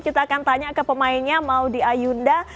kita akan tanya ke pemainnya maudie ayunda